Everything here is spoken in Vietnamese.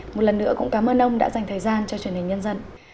một lần nữa cũng cảm ơn ông đã dành thời gian cho truyền hình nhân dân